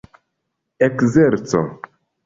ekzerco